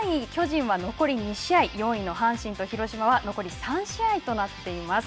そして、こちら、３位巨人は、残り２試合、４位の阪神と広島は残り３試合となっています。